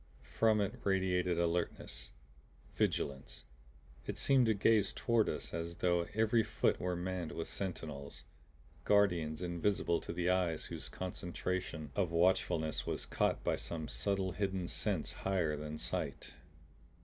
From it radiated alertness, vigilance. It seemed to gaze toward us as though every foot were manned with sentinels; guardians invisible to the eyes whose concentration of watchfulness was caught by some subtle hidden sense higher than sight.